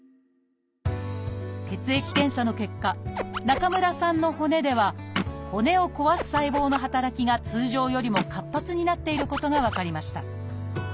血液検査の結果中村さんの骨では骨を壊す細胞の働きが通常よりも活発になっていることが分かりました。